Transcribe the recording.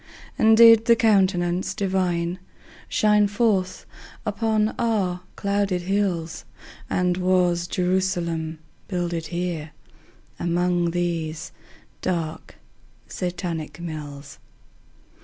And did the Countenance Divine Shine forth upon our clouded hills? And was Jerusalem builded here Among these dark Satanic mills?